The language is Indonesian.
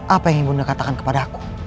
apa yang ibunda katakan kepada aku